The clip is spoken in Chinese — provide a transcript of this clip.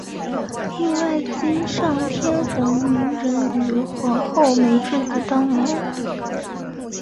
另外今上天皇明仁与皇后美智子当年。